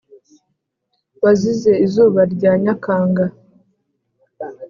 wazize izuba rya nyakanga.